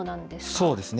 そうですね。